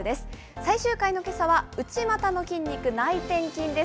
最終回のけさは、内股の筋肉、内転筋です。